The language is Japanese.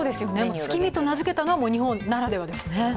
月見と名付けたのは日本ならではですね。